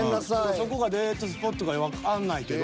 そこがデートスポットかわかんないけど。